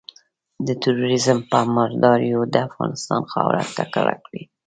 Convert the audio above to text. د ترورېزم په مرداریو د افغانستان خاوره ککړه کړي.